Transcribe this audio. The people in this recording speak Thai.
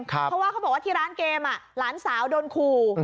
เพราะว่าเขาบอกว่าที่ร้านเกมหลานสาวโดนขู่